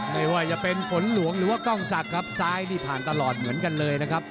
ไม่ว่าจะเป็นฝนหลวงหรือว่ากล้องศักดิ์ครับซ้ายนี่ผ่านตลอดเหมือนกันเลยนะครับ